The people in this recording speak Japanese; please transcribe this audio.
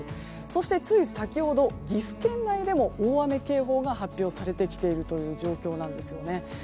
そしてつい先ほど岐阜県内でも大雨警報が発表されてきているという状況なんですよね。